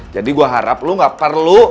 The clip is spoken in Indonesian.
jadi gue harap lo gak perlu